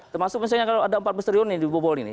terserah misalnya kalau ada empat belas triliun di bobol ini